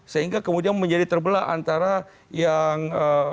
sehingga kemudian menjadi terbelah antara yang